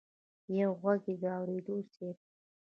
يو ږغ يې واورېد: صېب!